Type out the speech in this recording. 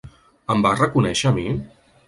Em va reconèixer a mi?